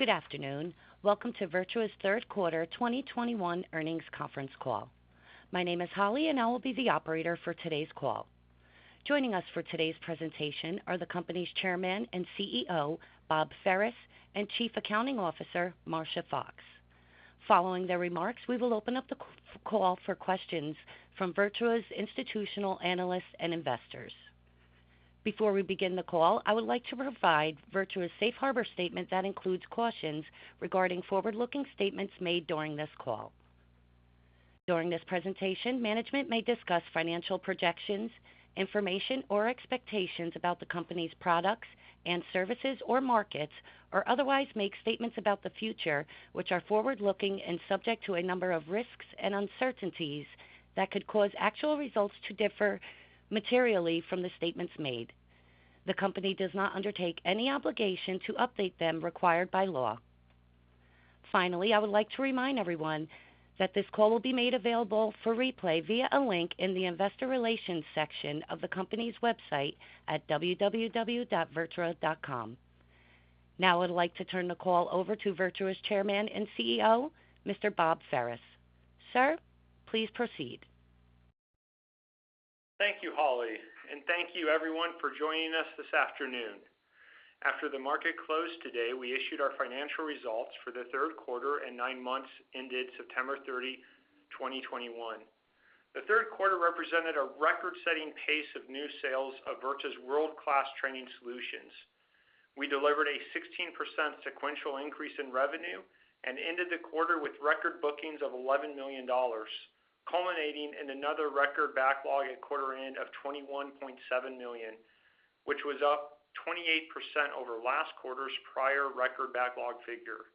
Good afternoon. Welcome to VirTra's third quarter 2021 earnings conference call. My name is Holly, and I will be the operator for today's call. Joining us for today's presentation are the company's Chairman and CEO, Bob Ferris, and Chief Accounting Officer, Marsha Foxx. Following their remarks, we will open up the call for questions from VirTra's institutional analysts and investors. Before we begin the call, I would like to provide VirTra's safe harbor statement that includes cautions regarding forward-looking statements made during this call. During this presentation, management may discuss financial projections, information, or expectations about the company's products and services or markets, or otherwise make statements about the future, which are forward-looking and subject to a number of risks and uncertainties that could cause actual results to differ materially from the statements made. The company does not undertake any obligation to update them required by law. Finally, I would like to remind everyone that this call will be made available for replay via a link in the investor relations section of the company's website at www.virtra.com. Now I'd like to turn the call over to VirTra's Chairman and CEO, Mr. Bob Ferris. Sir, please proceed. Thank you, Holly, and thank you everyone for joining us this afternoon. After the market closed today, we issued our financial results for the third quarter and nine months ended September 30, 2021. The third quarter represented a record-setting pace of new sales of VirTra's world-class training solutions. We delivered a 16% sequential increase in revenue and ended the quarter with record bookings of $11 million, culminating in another record backlog at quarter end of $21.7 million, which was up 28% over last quarter's prior record backlog figure.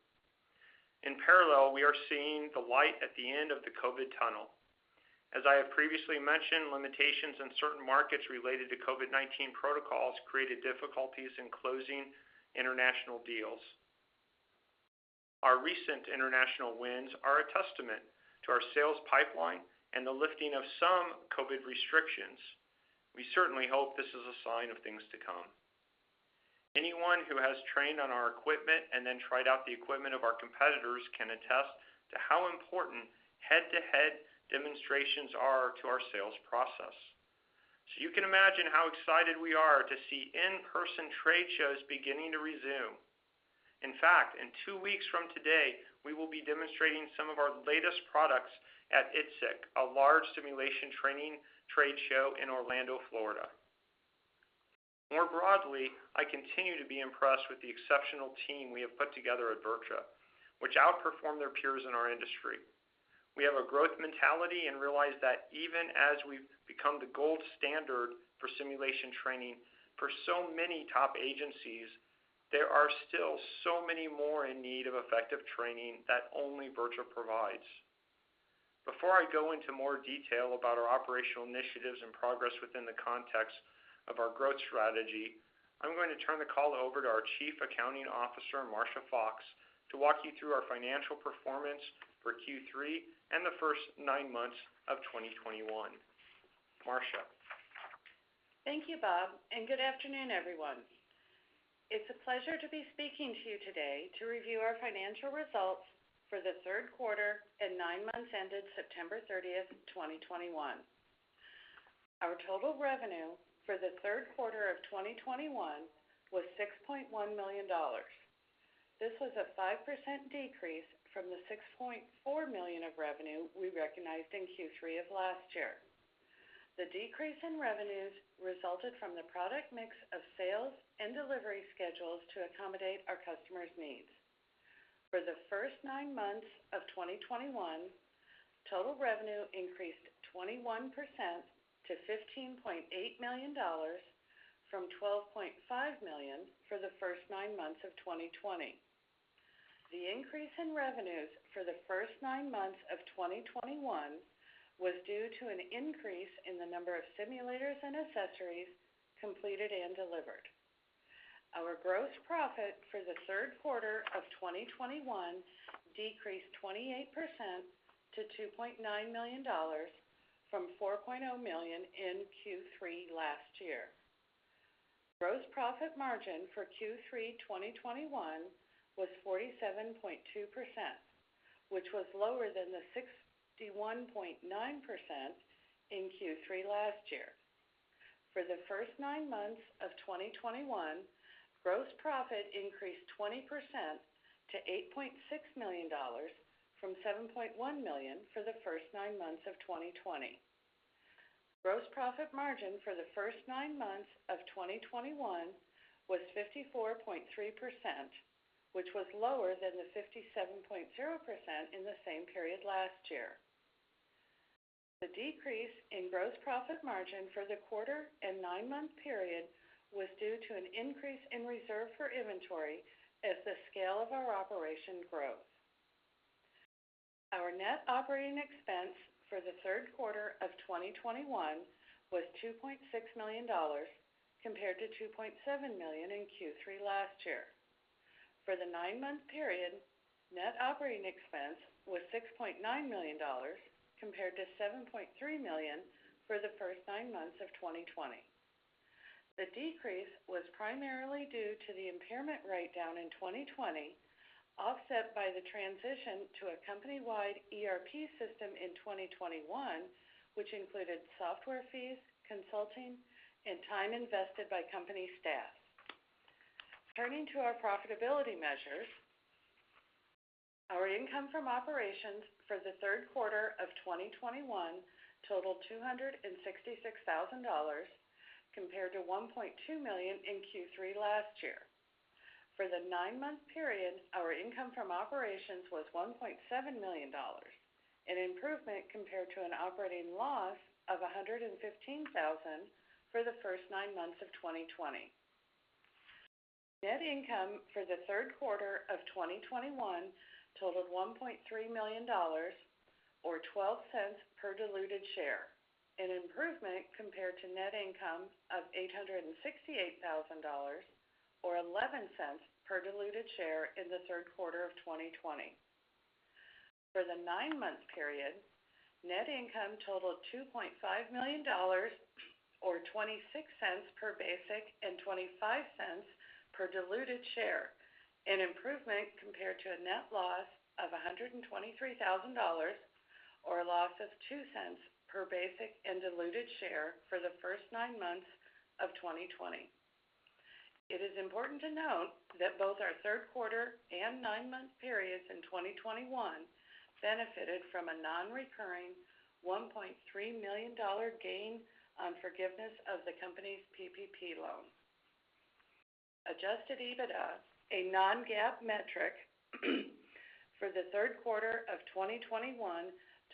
In parallel, we are seeing the light at the end of the COVID tunnel. As I have previously mentioned, limitations in certain markets related to COVID-19 protocols created difficulties in closing international deals. Our recent international wins are a testament to our sales pipeline and the lifting of some COVID restrictions. We certainly hope this is a sign of things to come. Anyone who has trained on our equipment and then tried out the equipment of our competitors can attest to how important head-to-head demonstrations are to our sales process. You can imagine how excited we are to see in-person trade shows beginning to resume. In fact, in two weeks from today, we will be demonstrating some of our latest products at I/ITSEC, a large simulation training trade show in Orlando, Florida. More broadly, I continue to be impressed with the exceptional team we have put together at VirTra, which outperform their peers in our industry. We have a growth mentality and realize that even as we've become the gold standard for simulation training for so many top agencies, there are still so many more in need of effective training that only VirTra provides. Before I go into more detail about our operational initiatives and progress within the context of our growth strategy, I'm going to turn the call over to our Chief Accounting Officer, Marsha Foxx, to walk you through our financial performance for Q3 and the first nine months of 2021. Marsha. Thank you, Bob, and good afternoon, everyone. It's a pleasure to be speaking to you today to review our financial results for the third quarter and nine months ended September 30th, 2021. Our total revenue for the third quarter of 2021 was $6.1 million. This was a 5% decrease from the $6.4 million of revenue we recognized in Q3 of last year. The decrease in revenues resulted from the product mix of sales and delivery schedules to accommodate our customers' needs. For the first nine months of 2021, total revenue increased 21% to $15.8 million from $12.5 million for the first nine months of 2020. The increase in revenues for the first nine months of 2021 was due to an increase in the number of simulators and accessories completed and delivered. Our gross profit for the third quarter of 2021 decreased 28% to $2.9 million from $4.0 million in Q3 last year. Gross profit margin for Q3 2021 was 47.2%, which was lower than the 61.9% in Q3 last year. For the first nine months of 2021, gross profit increased 20% to $8.6 million from $7.1 million for the first nine months of 2020. Gross profit margin for the first nine months of 2021 was 54.3%, which was lower than the 57.0% in the same period last year. The decrease in gross profit margin for the quarter and nine-month period was due to an increase in reserve for inventory as the scale of our operation grows. Our net operating expense for the third quarter of 2021 was $2.6 million compared to $2.7 million in Q3 last year. For the nine months, operating expense was $6.9 million compared to $7.3 million for the first nine months of 2020. The decrease was primarily due to the impairment write-down in 2020, offset by the transition to a company-wide ERP system in 2021, which included software fees, consulting, and time invested by company staff. Turning to our profitability measures. Our income from operations for the third quarter of 2021 totaled $266,000, compared to $1.2 million in Q3 last year. For the nine-month period, our income from operations was $1.7 million, an improvement compared to an operating loss of $115,000 for the first nine months of 2020. Net income for the third quarter of 2021 totaled $1.3 million, or $0.12 per diluted share, an improvement compared to net income of $868,000 or $0.11 per diluted share in the third quarter of 2020. For the nine-month period, net income totaled $2.5 million, or $0.26 per basic and $0.25 per diluted share, an improvement compared to a net loss of $123,000, or a loss of $0.02 per basic and diluted share for the first nine months of 2020. It is important to note that both our third quarter and nine-month periods in 2021 benefited from a non-recurring $1.3 million gain on forgiveness of the company's PPP loan. Adjusted EBITDA, a non-GAAP metric for the third quarter of 2021,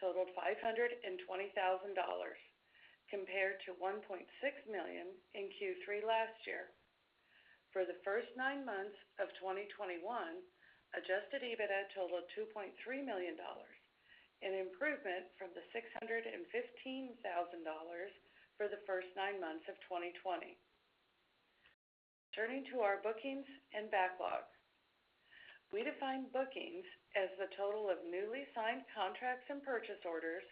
totaled $520,000, compared to $1.6 million in Q3 last year. For the first nine months of 2021, adjusted EBITDA totaled $2.3 million, an improvement from $615,000 for the first nine months of 2020. Turning to our bookings and backlog. We define bookings as the total of newly signed contracts and purchase orders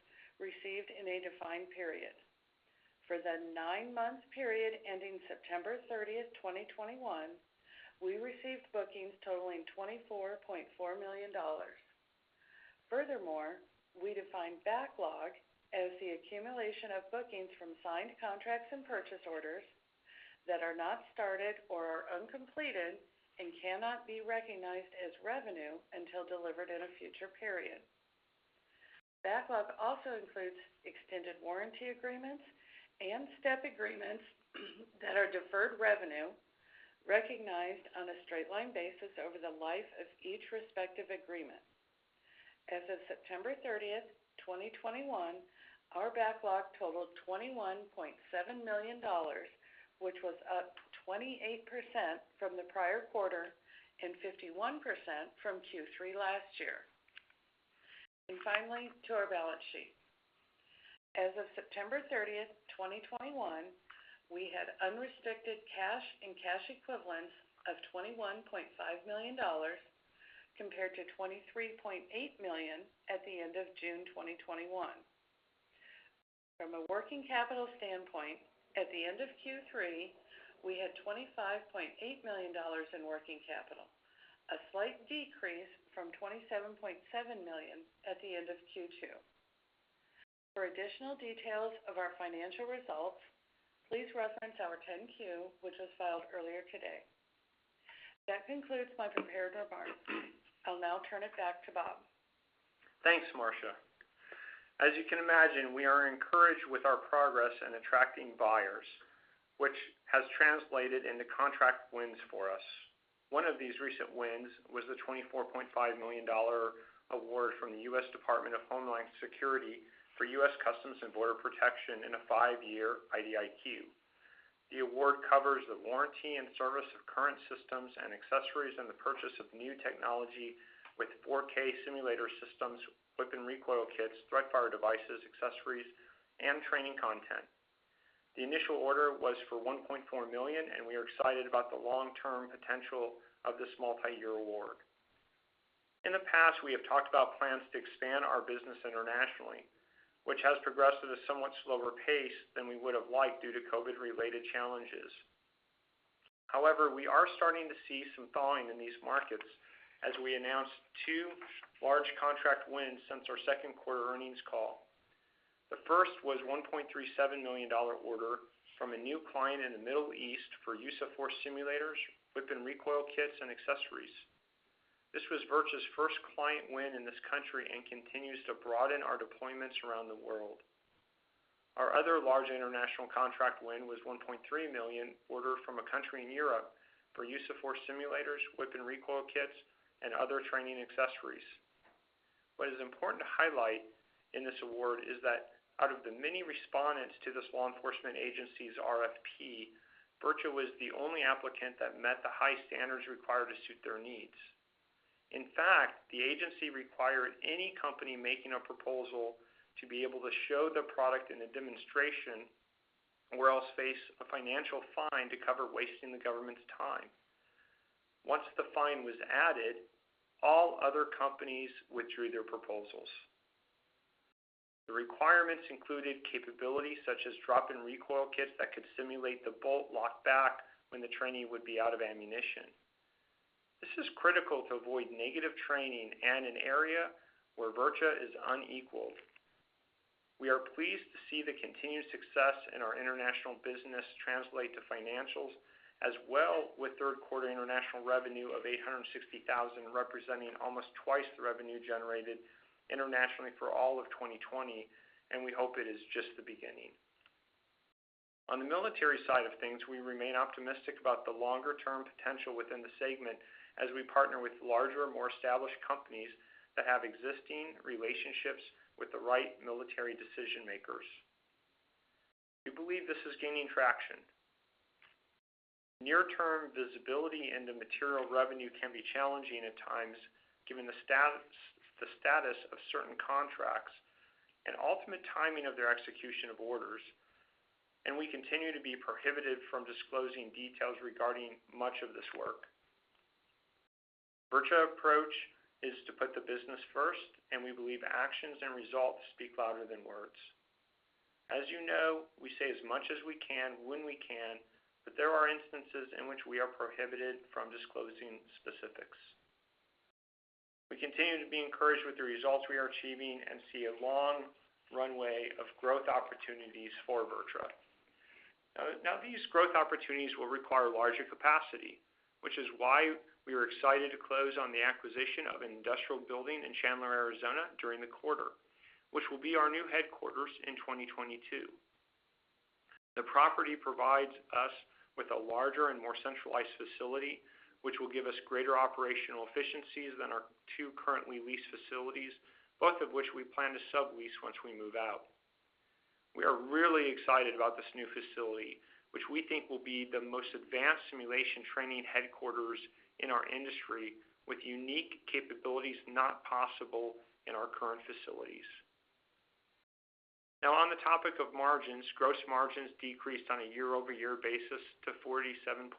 received in a defined period. For the nine-month period ending September 30th, 2021, we received bookings totaling $24.4 million. Furthermore, we define backlog as the accumulation of bookings from signed contracts and purchase orders that are not started or are uncompleted and cannot be recognized as revenue until delivered in a future period. Backlog also includes extended warranty agreements and step agreements that are deferred revenue recognized on a straight-line basis over the life of each respective agreement. As of September 30th, 2021, our backlog totaled $21.7 million, which was up 28% from the prior quarter and 51% from Q3 last year. Finally, to our balance sheet. As of September 30th, 2021, we had unrestricted cash and cash equivalents of $21.5 million, compared to $23.8 million at the end of June 2021. From a working capital standpoint, at the end of Q3, we had $25.8 million in working capital, a slight decrease from $27.7 million at the end of Q2. For additional details of our financial results, please reference our 10-Q, which was filed earlier today. That concludes my prepared remarks. I'll now turn it back to Bob. Thanks, Marsha. As you can imagine, we are encouraged with our progress in attracting buyers, which has translated into contract wins for us. One of these recent wins was the $24.5 million award from the U.S. Department of Homeland Security for U.S. Customs and Border Protection in a 5-year IDIQ. The award covers the warranty and service of current systems and accessories and the purchase of new technology with 4K simulator systems, with recoil kits, Threat-Fire devices, accessories and training content. The initial order was for $1.4 million, and we are excited about the long-term potential of this multi-year award. In the past, we have talked about plans to expand our business internationally, which has progressed at a somewhat slower pace than we would have liked due to COVID-related challenges. However, we are starting to see some thawing in these markets as we announced two large contract wins since our second quarter earnings call. The first was a $1.37 million order from a new client in the Middle East for use of force simulators with recoil kits and accessories. This was VirTra's first client win in this country and continues to broaden our deployments around the world. Our other large international contract win was a $1.3 million order from a country in Europe for use of force simulators with recoil kits and other training accessories. What is important to highlight in this award is that out of the many respondents to this law enforcement agency's RFP, VirTra was the only applicant that met the high standards required to suit their needs. In fact, the agency require any company making a proposal to be able to show their product in a demonstration or else face a financial fine to cover wasting the government's time. Once the fine was added, all other companies withdrew their proposals. The requirements included capabilities such as drop-in recoil kits that could simulate the bolt lock back when the trainee would be out of ammunition. This is critical to avoid negative training and an area where VirTra is unequaled. We are pleased to see the continued success in our international business translate to financials as well with third quarter international revenue of $860,000, representing almost twice the revenue generated internationally for all of 2020, and we hope it is just the beginning. On the military side of things, we remain optimistic about the longer-term potential within the segment as we partner with larger, more established companies that have existing relationships with the right military decision-makers. We believe this is gaining traction. Near-term visibility into material revenue can be challenging at times given the status of certain contracts and ultimate timing of their execution of orders, and we continue to be prohibited from disclosing details regarding much of this work. VirTra's approach is to put the business first, and we believe actions and results speak louder than words. As you know, we say as much as we can when we can, but there are instances in which we are prohibited from disclosing specifics. We continue to be encouraged with the results we are achieving and see a long runway of growth opportunities for VirTra. Now, these growth opportunities will require larger capacity, which is why we are excited to close on the acquisition of an industrial building in Chandler, Arizona during the quarter, which will be our new headquarters in 2022. The property provides us with a larger and more centralized facility, which will give us greater operational efficiencies than our two currently leased facilities, both of which we plan to sublease once we move out. We are really excited about this new facility, which we think will be the most advanced simulation training headquarters in our industry, with unique capabilities not possible in our current facilities. Now on the topic of margins, gross margins decreased on a year-over-year basis to 47.2%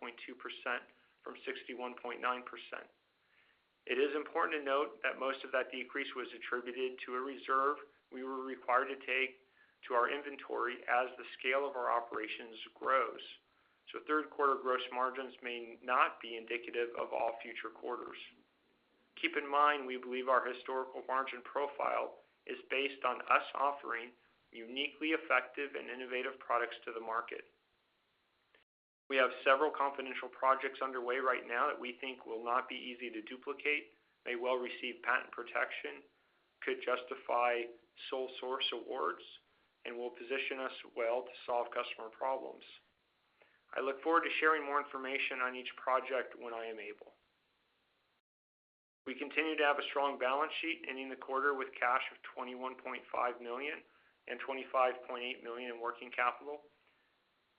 from 61.9%. It is important to note that most of that decrease was attributed to a reserve we were required to take to our inventory as the scale of our operations grows. Third quarter gross margins may not be indicative of all future quarters. Keep in mind, we believe our historical margin profile is based on us offering uniquely effective and innovative products to the market. We have several confidential projects underway right now that we think will not be easy to duplicate, may well receive patent protection, could justify sole source awards, and will position us well to solve customer problems. I look forward to sharing more information on each project when I am able. We continue to have a strong balance sheet, ending the quarter with cash of $21.5 million and $25.8 million in working capital.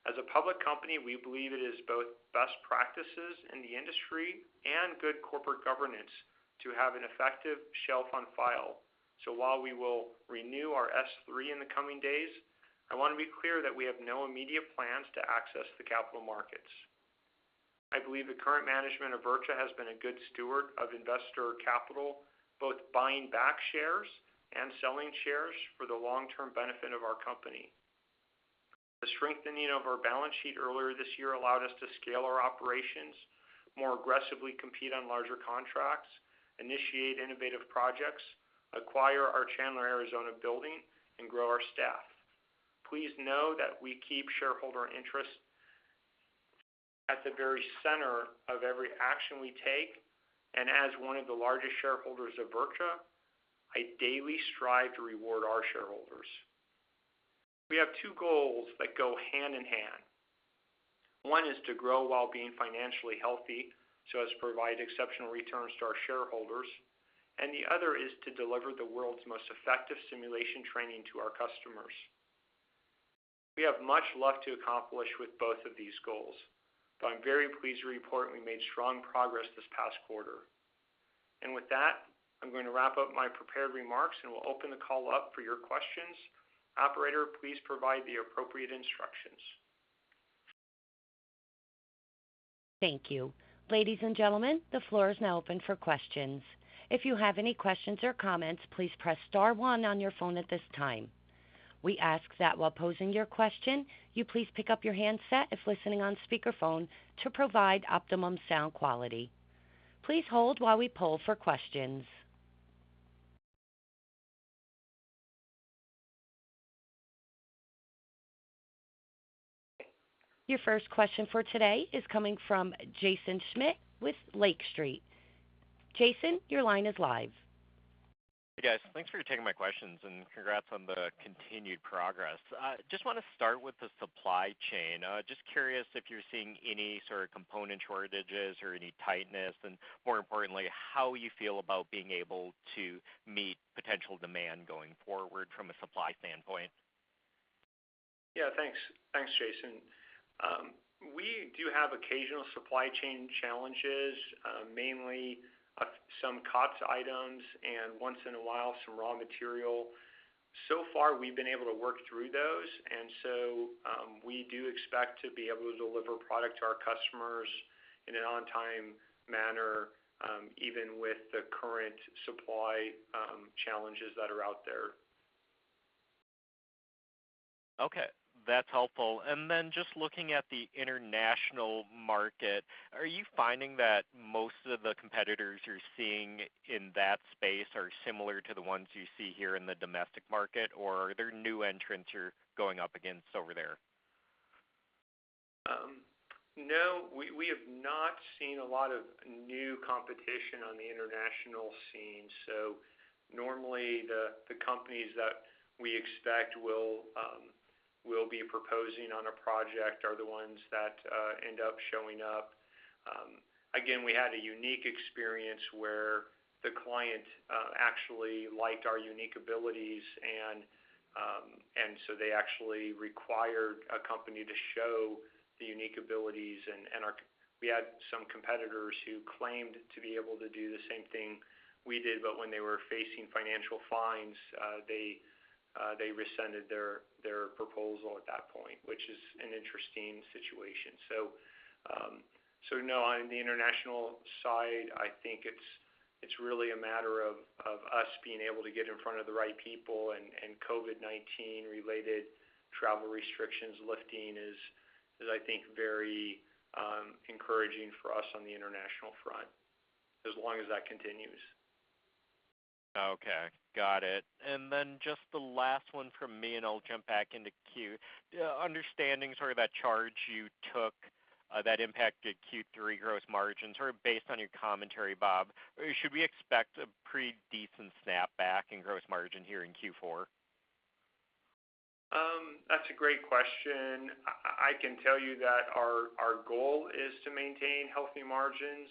As a public company, we believe it is both best practices in the industry and good corporate governance to have an effective shelf on file. While we will renew our S-3 in the coming days, I want to be clear that we have no immediate plans to access the capital markets. I believe the current management of VirTra has been a good steward of investor capital, both buying back shares and selling shares for the long-term benefit of our company. The strengthening of our balance sheet earlier this year allowed us to scale our operations more aggressively, compete on larger contracts, initiate innovative projects, acquire our Chandler, Arizona building, and grow our staff. Please know that we keep shareholder interest at the very center of every action we take, and as one of the largest shareholders of VirTra, I daily strive to reward our shareholders. We have two goals that go hand in hand. One is to grow while being financially healthy so as to provide exceptional returns to our shareholders, and the other is to deliver the world's most effective simulation training to our customers. We have much left to accomplish with both of these goals, but I'm very pleased to report we made strong progress this past quarter. With that, I'm going to wrap up my prepared remarks, and we'll open the call up for your questions. Operator, please provide the appropriate instructions. Thank you. Ladies and gentlemen, the floor is now open for questions. If you have any questions or comments, please press star one on your phone at this time. We ask that while posing your question, you please pick up your handset if listening on speakerphone to provide optimum sound quality. Please hold while we poll for questions. Your first question for today is coming from Jaeson Schmidt with Lake Street. Jaeson, your line is live. Hey, guys. Thanks for taking my questions and congrats on the continued progress. Just wanna start with the supply chain. Just curious if you're seeing any sort of component shortages or any tightness, and more importantly, how you feel about being able to meet potential demand going forward from a supply standpoint. Yeah, thanks. Thanks, Jaeson. We do have occasional supply chain challenges, mainly some COTS items and once in a while, some raw material. So far, we've been able to work through those, and so, we do expect to be able to deliver product to our customers in an on-time manner, even with the current supply challenges that are out there. Okay, that's helpful. Just looking at the international market, are you finding that most of the competitors you're seeing in that space are similar to the ones you see here in the domestic market? Or are there new entrants you're going up against over there? No, we have not seen a lot of new competition on the international scene. Normally the companies that we expect will be proposing on a project are the ones that end up showing up. Again, we had a unique experience where the client actually liked our unique abilities and so they actually required a company to show the unique abilities and we had some competitors who claimed to be able to do the same thing we did, but when they were facing financial fines, they rescinded their proposal at that point, which is an interesting situation. No, on the international side, I think it's really a matter of us being able to get in front of the right people, and COVID-19 related travel restrictions lifting is I think very encouraging for us on the international front as long as that continues. Okay, got it. Just the last one from me, and I'll jump back into queue. Understanding sort of that charge you took that impacted Q3 gross margin, sort of based on your commentary, Bob, should we expect a pretty decent snapback in gross margin here in Q4? That's a great question. I can tell you that our goal is to maintain healthy margins.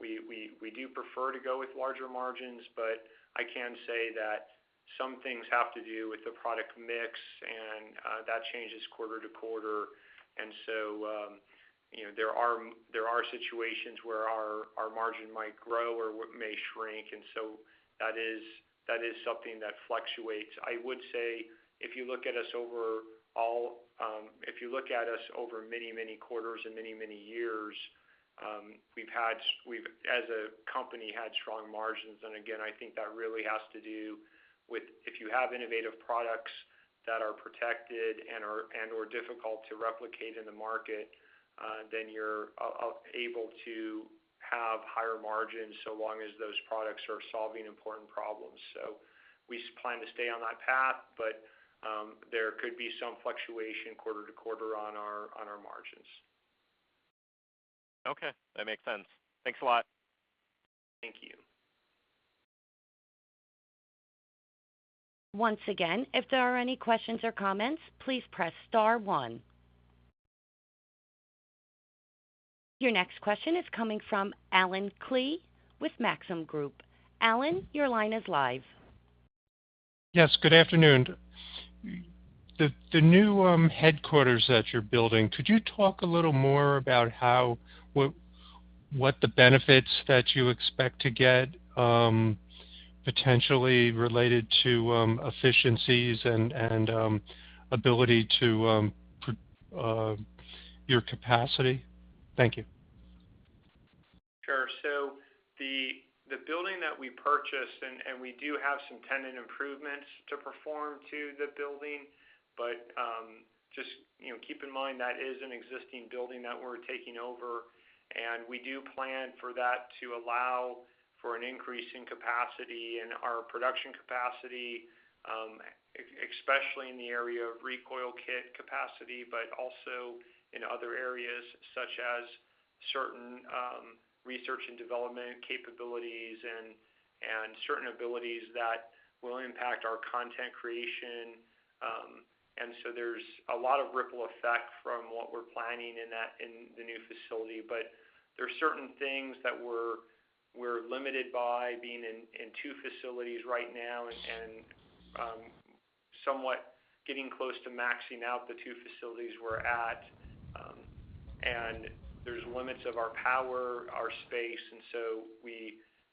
We do prefer to go with larger margins, but I can say that some things have to do with the product mix, and that changes quarter to quarter. You know, there are situations where our margin might grow or may shrink. That is something that fluctuates. I would say, if you look at us overall, if you look at us over many quarters and many years, we've, as a company, had strong margins. Again, I think that really has to do with if you have innovative products that are protected and/or difficult to replicate in the market, then you're able to have higher margins so long as those products are solving important problems. We plan to stay on that path, but there could be some fluctuation quarter to quarter on our margins. Okay, that makes sense. Thanks a lot. Thank you. Once again, if there are any questions or comments, please press star one. Your next question is coming from Allen Klee with Maxim Group. Allen, your line is live. Yes, good afternoon. The new headquarters that you're building, could you talk a little more about what the benefits that you expect to get, potentially related to, efficiencies and ability to your capacity? Thank you. Sure. The building that we purchased, and we do have some tenant improvements to perform to the building. Just, you know, keep in mind that is an existing building that we're taking over, and we do plan for that to allow for an increase in capacity in our production capacity, especially in the area of recoil kit capacity, but also in other areas such as certain research and development capabilities and certain abilities that will impact our content creation. There's a lot of ripple effect from what we're planning in the new facility. There are certain things that we're limited by being in two facilities right now and somewhat getting close to maxing out the two facilities we're at. There's limits of our power, our space.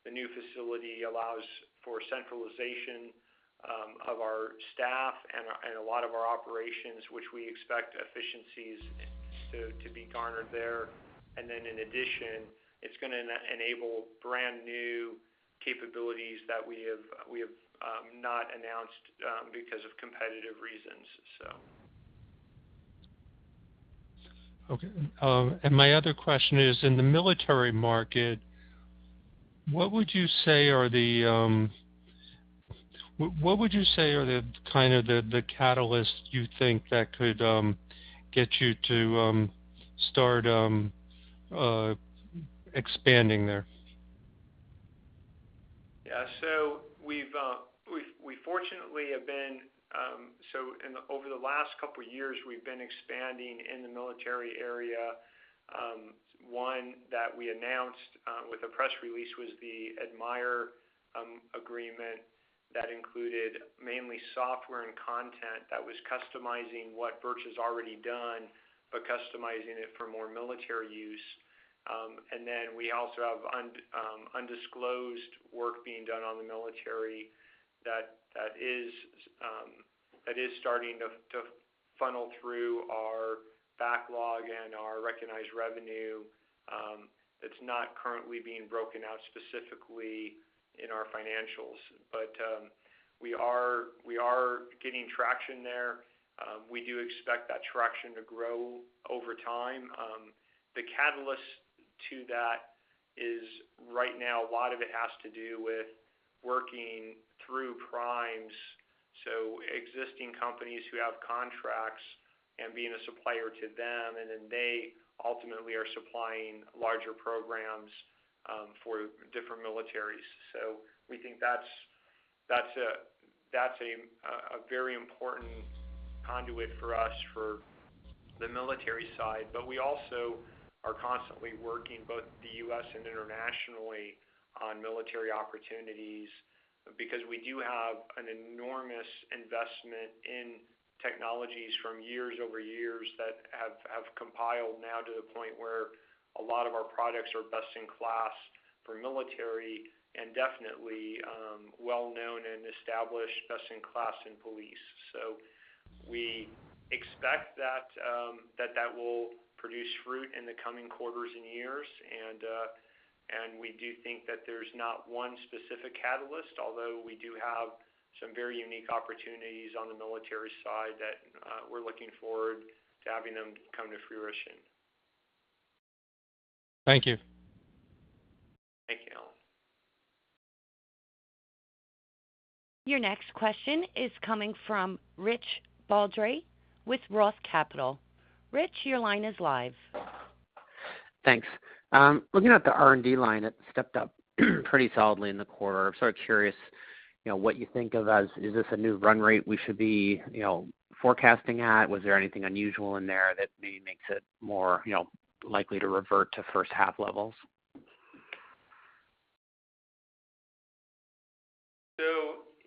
The new facility allows for centralization of our staff and a lot of our operations, which we expect efficiencies to be garnered there. It's gonna enable brand-new capabilities that we have not announced because of competitive reasons. Okay. My other question is in the military market, what would you say are the kind of catalyst you think that could get you to start expanding there? Yeah. Over the last couple of years, we've been expanding in the military area. One that we announced with a press release was the ADMIRE agreement that included mainly software and content that was customizing what VirTra has already done, but customizing it for more military use. We also have undisclosed work being done on the military that is starting to funnel through our backlog and our recognized revenue, that's not currently being broken out specifically in our financials. We are getting traction there. We do expect that traction to grow over time. The catalyst to that is right now a lot of it has to do with working through primes, so existing companies who have contracts and being a supplier to them, and then they ultimately are supplying larger programs for different militaries. We think that's a very important conduit for us for the military side. We also are constantly working both the U.S. and internationally on military opportunities because we do have an enormous investment in technologies from years-over-years that have compounded now to the point where a lot of our products are best in class for military and definitely well-known and established best in class in police. We expect that will produce fruit in the coming quarters and years. We do think that there's not one specific catalyst, although we do have some very unique opportunities on the military side that we're looking forward to having them come to fruition. Thank you. Thank you, Allen. Your next question is coming from Rich Baldry with Roth Capital. Rich, your line is live. Thanks. Looking at the R&D line, it stepped up pretty solidly in the quarter. I'm sort of curious, you know, what you think of as is this a new run rate we should be, you know, forecasting at? Was there anything unusual in there that maybe makes it more, you know, likely to revert to first half levels?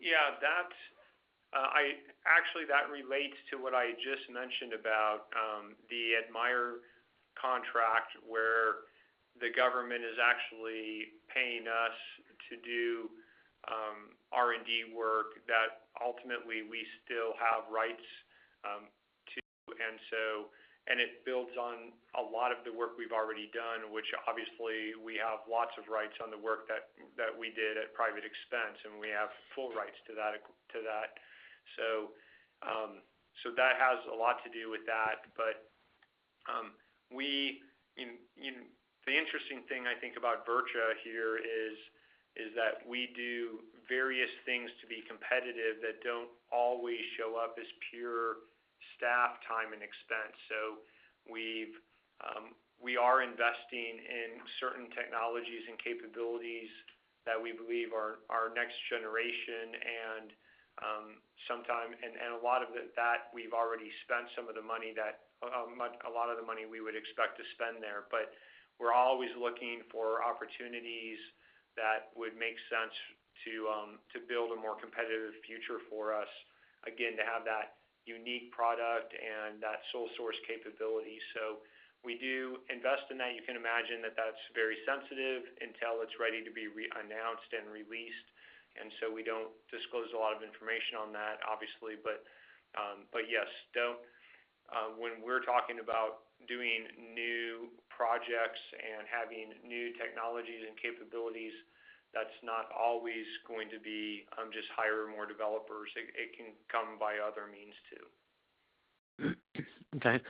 Yeah, that's actually that relates to what I just mentioned about the ADMIRE contract where the government is actually paying us to do R&D work that ultimately we still have rights to. It builds on a lot of the work we've already done, which obviously we have lots of rights on the work that we did at private expense, and we have full rights to that. That has a lot to do with that. The interesting thing I think about VirTra here is that we do various things to be competitive that don't always show up as pure staff time and expense. We are investing in certain technologies and capabilities that we believe are next generation and sometime a lot of it that we've already spent some of the money that a lot of the money we would expect to spend there. We're always looking for opportunities that would make sense to build a more competitive future for us, again, to have that unique product and that sole source capability. We do invest in that. You can imagine that that's very sensitive until it's ready to be re-announced and released. We don't disclose a lot of information on that, obviously. When we're talking about doing new projects and having new technologies and capabilities, that's not always going to be just hire more developers. It can come by other means too. Okay.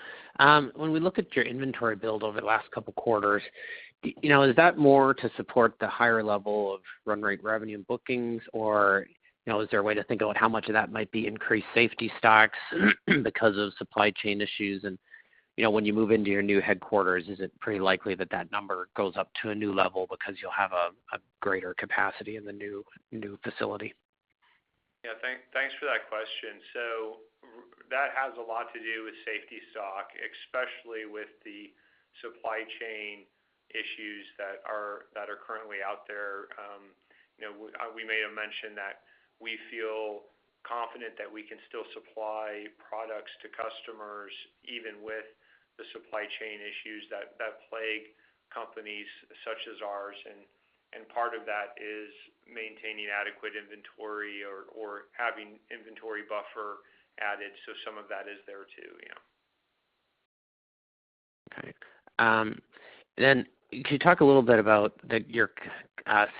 When we look at your inventory build over the last couple of quarters, you know, is that more to support the higher level of run rate revenue and bookings, or, you know, is there a way to think about how much of that might be increased safety stocks because of supply chain issues? You know, when you move into your new headquarters, is it pretty likely that that number goes up to a new level because you'll have a greater capacity in the new facility? Yeah. Thanks for that question. That has a lot to do with safety stock, especially with the supply chain issues that are currently out there. You know, we may have mentioned that we feel confident that we can still supply products to customers, even with the supply chain issues that plague companies such as ours. Part of that is maintaining adequate inventory or having inventory buffer added. Some of that is there too, yeah. Okay. Can you talk a little bit about your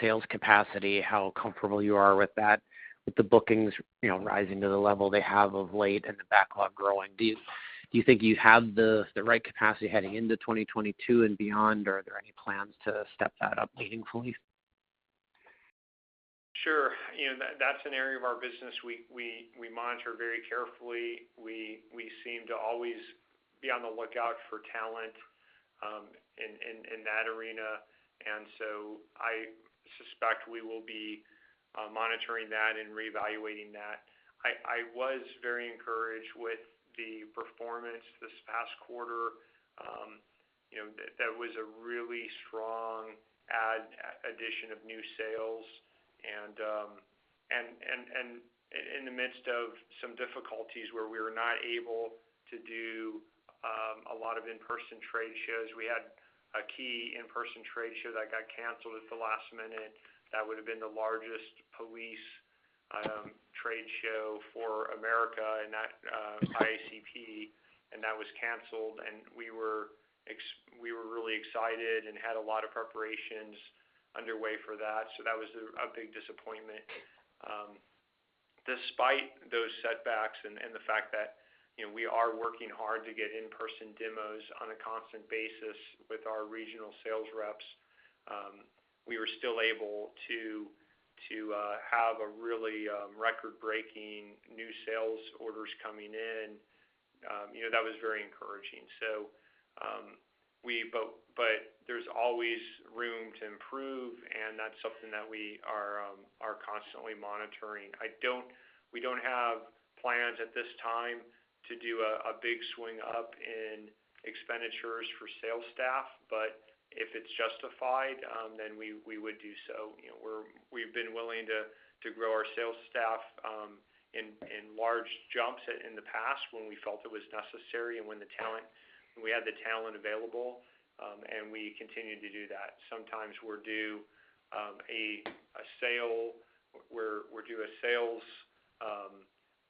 sales capacity, how comfortable you are with that, with the bookings, you know, rising to the level they have of late and the backlog growing? Do you think you have the right capacity heading into 2022 and beyond, or are there any plans to step that up meaningfully? Sure. You know, that's an area of our business we monitor very carefully. We seem to always be on the lookout for talent in that arena. I suspect we will be monitoring that and reevaluating that. I was very encouraged with the performance this past quarter. You know, that was a really strong addition of new sales and in the midst of some difficulties where we were not able to do a lot of in-person trade shows. We had a key in-person trade show that got canceled at the last minute that would've been the largest police trade show for America, and that, IACP, and that was canceled. We were really excited and had a lot of preparations underway for that. That was a big disappointment. Despite those setbacks and the fact that, you know, we are working hard to get in-person demos on a constant basis with our regional sales reps, we were still able to have a really record-breaking new sales orders coming in. You know, that was very encouraging. There's always room to improve, and that's something that we are constantly monitoring. We don't have plans at this time to do a big swing up in expenditures for sales staff. If it's justified, then we would do so. You know, we've been willing to grow our sales staff in large jumps in the past when we felt it was necessary and when we had the talent available, and we continue to do that. Sometimes we're due a sales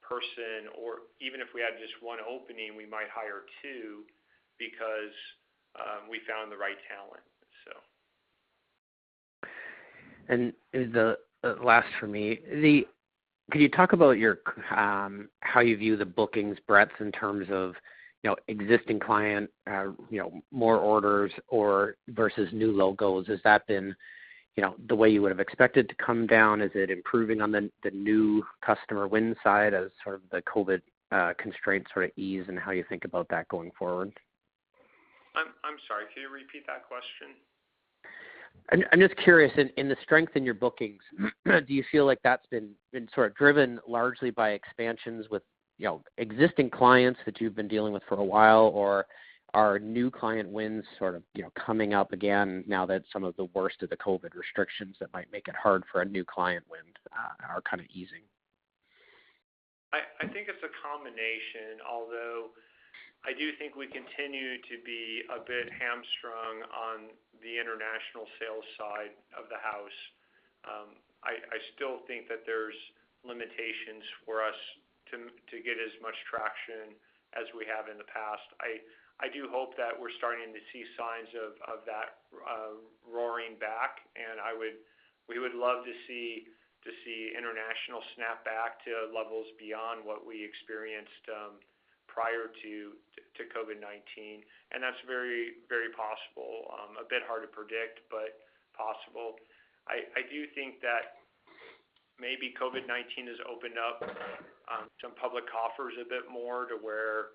person or even if we had just one opening, we might hire two because we found the right talent, so. The last for me. Can you talk about your how you view the bookings breadth in terms of, you know, existing client, you know, more orders or versus new logos? Has that been, you know, the way you would've expected to come down? Is it improving on the new customer win side as sort of the COVID constraints sort of ease and how you think about that going forward? I'm sorry, can you repeat that question? I'm just curious. In the strength in your bookings, do you feel like that's been sort of driven largely by expansions with, you know, existing clients that you've been dealing with for a while, or are new client wins sort of, you know, coming up again now that some of the worst of the COVID restrictions that might make it hard for a new client win are kind of easing? I think it's a combination, although I do think we continue to be a bit hamstrung on the international sales side of the house. I still think that there's limitations for us to get as much traction as we have in the past. I do hope that we're starting to see signs of that roaring back, and we would love to see international snap back to levels beyond what we experienced prior to COVID-19. That's very, very possible. A bit hard to predict, but possible. I do think that maybe COVID-19 has opened up some public coffers a bit more to where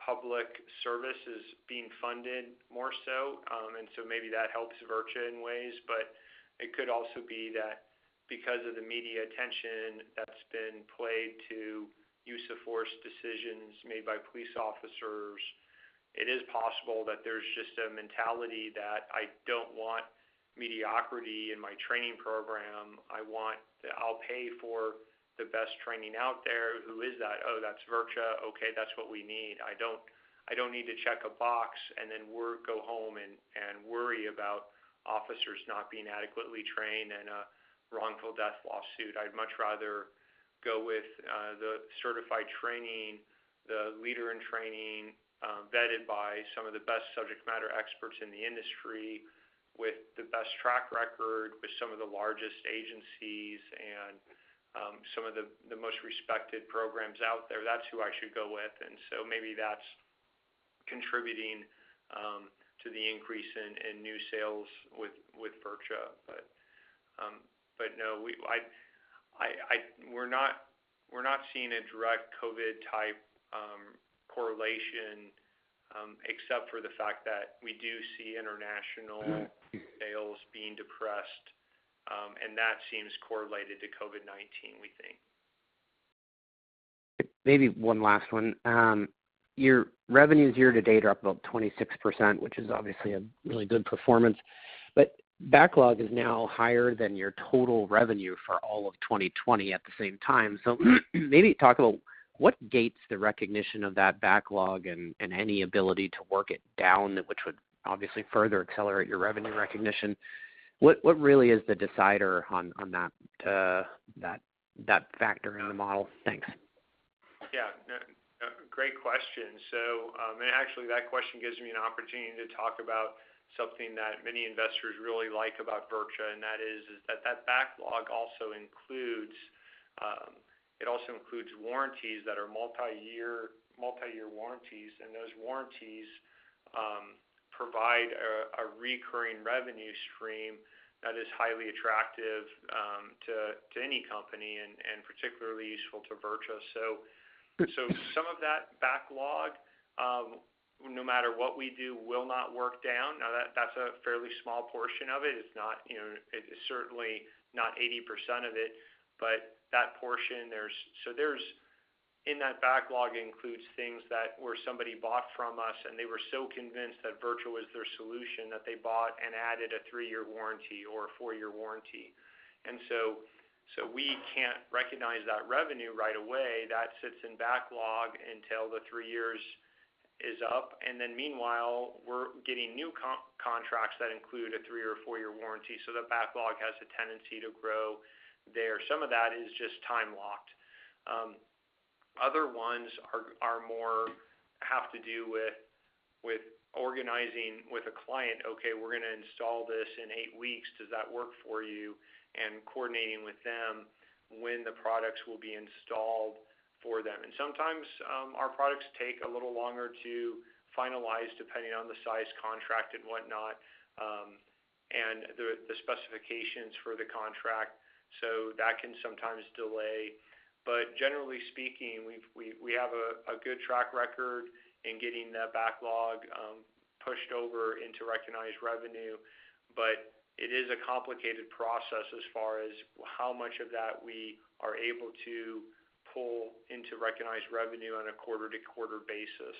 public service is being funded more so. Maybe that helps VirTra in ways. It could also be that because of the media attention that's been paid to use of force decisions made by police officers, it is possible that there's just a mentality that I don't want mediocrity in my training program. I'll pay for the best training out there. Who is that? Oh, that's VirTra. Okay, that's what we need. I don't need to check a box and then work, go home and worry about officers not being adequately trained in a wrongful death lawsuit. I'd much rather go with the certified training, the leader in training, vetted by some of the best subject matter experts in the industry with the best track record, with some of the largest agencies and some of the most respected programs out there. That's who I should go with. Maybe that's contributing to the increase in new sales with VirTra. But no, we're not seeing a direct COVID type correlation, except for the fact that we do see international sales being depressed, and that seems correlated to COVID-19, we think. Maybe one last one. Your revenue is year to date are up about 26%, which is obviously a really good performance. Backlog is now higher than your total revenue for all of 2020 at the same time. Maybe talk about what gates the recognition of that backlog and any ability to work it down, which would obviously further accelerate your revenue recognition. What really is the decider on that factor in the model? Thanks. Yeah, a great question. Actually, that question gives me an opportunity to talk about something that many investors really like about VirTra, and that is that that backlog also includes it also includes warranties that are multi-year warranties, and those warranties provide a recurring revenue stream that is highly attractive to any company and particularly useful to VirTra. Some of that backlog, no matter what we do, will not work down. Now that's a fairly small portion of it. It's not, you know, it is certainly not 80% of it, but that portion. There's in that backlog things where somebody bought from us, and they were so convinced that VirTra was their solution that they bought and added a 3-year warranty or a 4-year warranty. We can't recognize that revenue right away. That sits in backlog until the 3 years is up. Meanwhile, we're getting new contracts that include a 3- or 4-year warranty, so the backlog has a tendency to grow there. Some of that is just time-locked. Other ones are more have to do with organizing with a client. Okay, we're gonna install this in eight weeks. Does that work for you? Coordinating with them when the products will be installed for them. Sometimes, our products take a little longer to finalize depending on the size contract and whatnot, and the specifications for the contract, so that can sometimes delay. Generally speaking, we have a good track record in getting that backlog pushed over into recognized revenue. It is a complicated process as far as how much of that we are able to pull into recognized revenue on a quarter-to-quarter basis.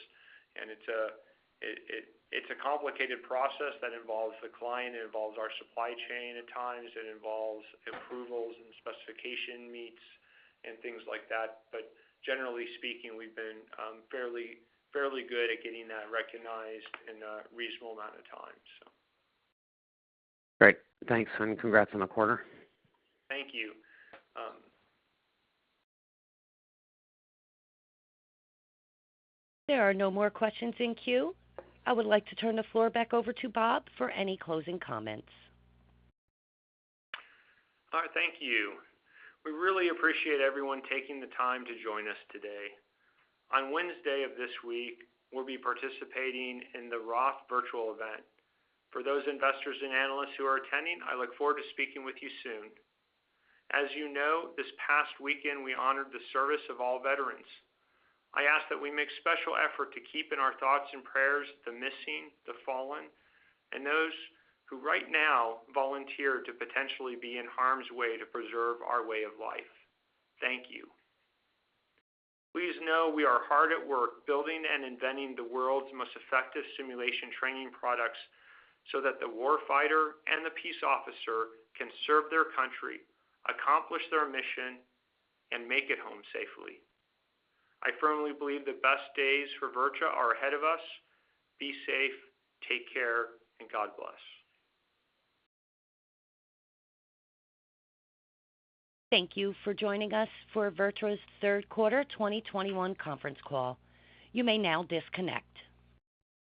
It's a complicated process that involves the client, it involves our supply chain at times, it involves approvals and specification meets and things like that. Generally speaking, we've been fairly good at getting that recognized in a reasonable amount of time, so. Great. Thanks, and congrats on the quarter. Thank you. There are no more questions in queue. I would like to turn the floor back over to Bob for any closing comments. All right, thank you. We really appreciate everyone taking the time to join us today. On Wednesday of this week, we'll be participating in the Roth Virtual Event. For those investors and analysts who are attending, I look forward to speaking with you soon. As you know, this past weekend, we honored the service of all veterans. I ask that we make special effort to keep in our thoughts and prayers the missing, the fallen, and those who right now volunteer to potentially be in harm's way to preserve our way of life. Thank you. Please know we are hard at work building and inventing the world's most effective simulation training products so that the war fighter and the peace officer can serve their country, accomplish their mission, and make it home safely. I firmly believe the best days for VirTra are ahead of us. Be safe, take care, and God bless. Thank you for joining us for VirTra's third quarter 2021 conference call. You may now disconnect.